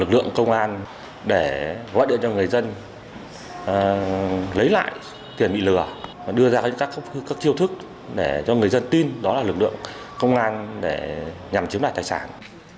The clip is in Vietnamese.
lực lượng công an để gọi điện cho người dân lấy lại tiền bị lừa và đưa ra các chiêu thức để cho người dân tin đó là lực lượng công an để nhằm chiếm đoạt tài sản